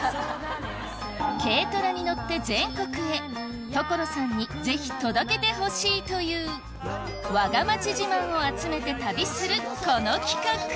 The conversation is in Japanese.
軽トラに乗って全国へ所さんにぜひ届けてほしいというわが町自慢を集めて旅するこの企画！